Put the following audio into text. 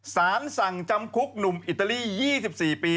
สารสั่งจำคุกหนุ่มอิตาลี๒๔ปี